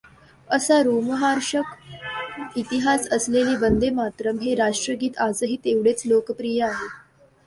असा रोमहर्षक इतिहास असलेले वंदे मातरम् हे राष्ट्रगीत आजही तेवढेच लोकप्रिय आहे.